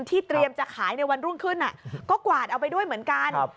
ที่เตรียมจะขายในวันรุ่งขึ้นก็กวาดเอาไปด้วยเหมือนกัน